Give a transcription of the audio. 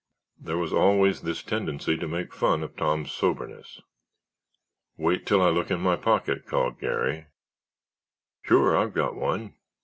There was always this tendency to make fun of Tom's soberness. "Wait till I look in my pocket," called Garry. "Sure, I've got one."